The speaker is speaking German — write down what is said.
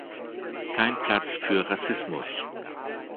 Kein Platz für Rassismus.